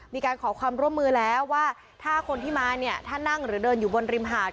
มีการขอความร่วมมือแล้วว่าถ้าคนที่มาเนี่ยถ้านั่งหรือเดินอยู่บนริมหาด